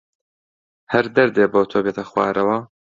هەر دەردێ بۆ تۆ بێتە خوارەوە